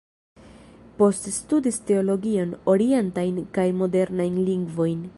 Poste studis teologion, orientajn kaj modernajn lingvojn.